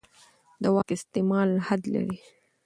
د واک استعمال حد لري